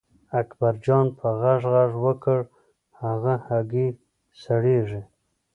اکبرجان په غږ غږ وکړ هغه هګۍ سړېږي.